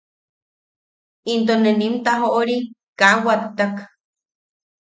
Into ne nim tajo’ori kaa wattak.